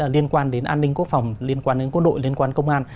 liên quan đến an ninh quốc phòng liên quan đến quân đội liên quan công an